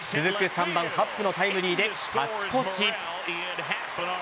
３番・ハップのタイムリーで勝ち越し。